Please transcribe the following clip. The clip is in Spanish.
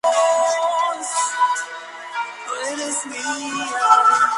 Presenta forma ondulada debido a los conos de deyección de dichas ramblas.